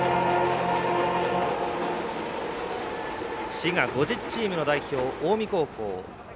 滋賀５０チームの代表近江高校。